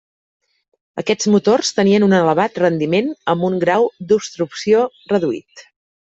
Aquests motors tenien un elevat rendiment amb un grau d'obstrucció reduït.